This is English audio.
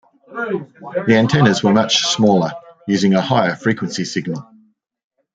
The antennas were much smaller, using a higher frequency signal.